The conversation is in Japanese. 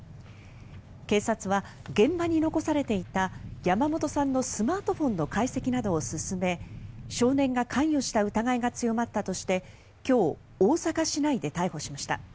警察は、現場に残されていた山本さんのスマートフォンの解析を進め少年が関与した疑いが強まったとして今日、大阪市内で逮捕しました。